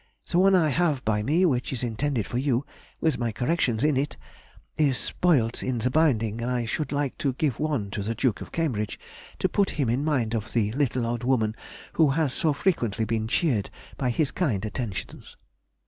The one I have by me, which is intended for you, with my corrections in it, is spoilt in the binding; and I should like to give one to the Duke of Cambridge, to put him in mind of the little old woman who has so frequently been cheered by his kind attentions.